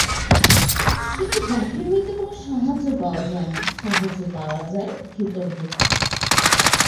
কিন্তু বাহির হইতে কোন সাহায্য পাওয়া যায় না, সাহায্য পাওয়া যায় ভিতর হইতে।